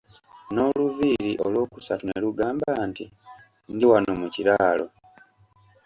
N'oluviiri olw'okusatu ne lugamba nti, ndi wano mu kiraalo.